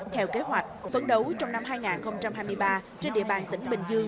theo kế hoạch phấn đấu trong năm hai nghìn hai mươi ba trên địa bàn tỉnh bình dương